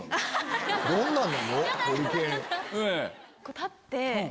立って。